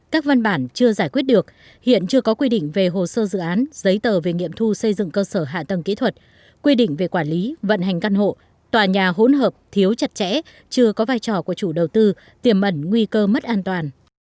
các văn bản chưa giải quyết được hiện chưa có quy định về hồ sơ dự án giấy tờ về nghiệm thu xây dựng cơ sở hạ tầng kỹ thuật quy định về quản lý vận hành căn hộ tòa nhà hỗn hợp thiếu chặt chẽ chưa có vai trò của chủ đầu tư tiềm ẩn nguy cơ mất an toàn